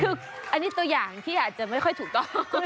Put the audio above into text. คืออันนี้ตัวอย่างที่อาจจะไม่ค่อยถูกต้อง